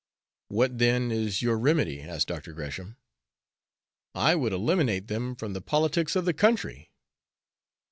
"What, then, is your remedy?" asked Dr. Gresham. "I would eliminate him from the politics of the country."